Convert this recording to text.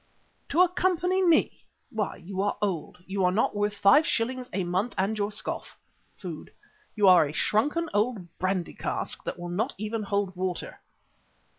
"To accompany me! Why, you are old, you are not worth five shillings a month and your scoff (food). You are a shrunken old brandy cask that will not even hold water."